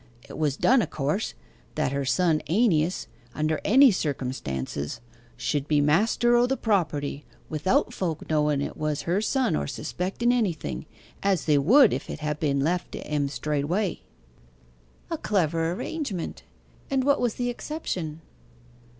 It was done, of course, that her son AEneas, under any circumstances, should be master o' the property, without folk knowen it was her son or suspecting anything, as they would if it had been left to en straightway.' 'A clever arrangement! And what was the exception?